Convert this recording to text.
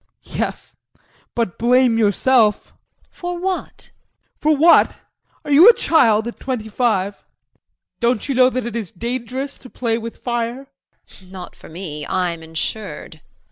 JEAN. Yes, but blame yourself. JULIE. For what? JEAN. For what? Are you a child at twenty five? Don't you know that it is dangerous to play with fire? JULIE. Not for me. I am insured!